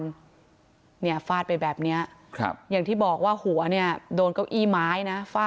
เนี่ยฟาดไปแบบเนี้ยครับอย่างที่บอกว่าหัวเนี่ยโดนเก้าอี้ไม้นะฟาด